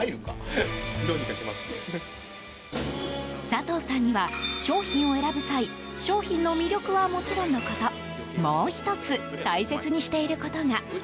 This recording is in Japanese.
佐藤さんには商品を選ぶ際商品の魅力はもちろんのこともう１つ大切にしていることが。